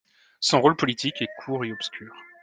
Son rôle politique est court et obscur.